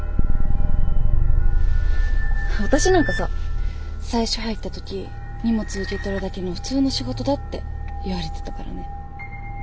私なんかさ最初入った時荷物受け取るだけの普通の仕事だって言われてたからね。